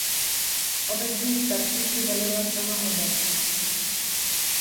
Obecní starší si volila sama obec.